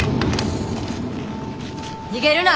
逃げるな！